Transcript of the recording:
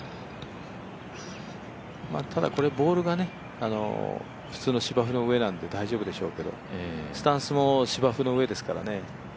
ただ、ボールが普通の芝生の上なんで大丈夫でしょうけど、スタンスも芝生の上ですからね。